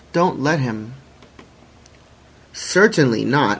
Don't let him." "Certainly not.